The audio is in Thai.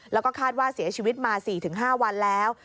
แล้วก็คาดว่าเสียชีวิตมา๔๕วันแล้ว